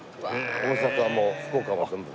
大阪も福岡も全部。